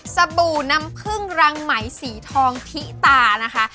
สบู่น้ำผึ้งรังไหมสีทองทิตานะคะ